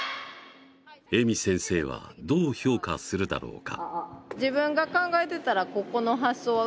ＥＭＩ先生はどう評価するだろうか。